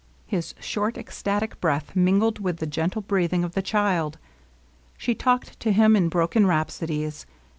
His short ecstatic breath mingled with the gentle breathing of the child. She talked to him in broken rhapsodies.